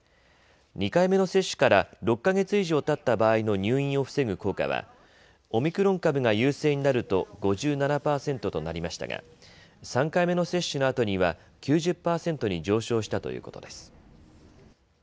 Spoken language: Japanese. ２回目の接種から６か月以上たった場合の入院を防ぐ効果はオミクロン株が優勢になると５７％となりましたが３回目の接種のあとには９０％に上昇したということです。